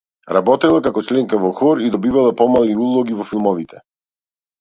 Работела како членка во хор и добивала помали улоги во филмовите.